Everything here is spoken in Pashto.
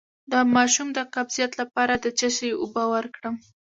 د ماشوم د قبضیت لپاره د څه شي اوبه ورکړم؟